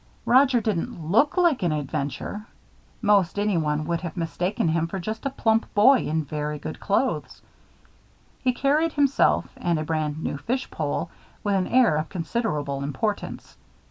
Roger didn't look like an adventure. Most anyone would have mistaken him for just a plump boy in very good clothes. He carried himself and a brand new fish pole with an air of considerable importance.